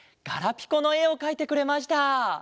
ガラピコのえをかいてくれました！